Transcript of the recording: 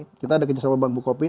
kita ada kerjasama bank bukopin